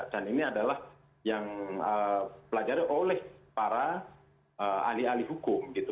dan ini adalah yang pelajari oleh para ahli ahli hukum gitu